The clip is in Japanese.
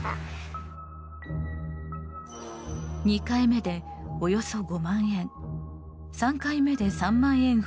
２回目でおよそ５万円３回目で３万円